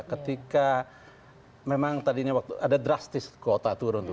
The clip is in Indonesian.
ketika memang tadinya waktu ada drastis kuota turun tuh